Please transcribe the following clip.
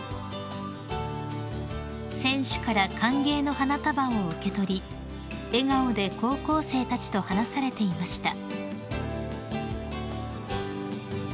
［選手から歓迎の花束を受け取り笑顔で高校生たちと話されていました］